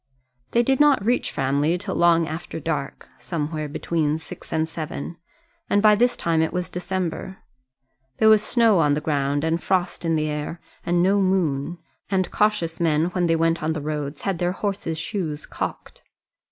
They did not reach Framley till long after dark somewhere between six and seven and by this time it was December. There was snow on the ground, and frost in the air, and no moon, and cautious men when they went on the roads had their horses' shoes cocked.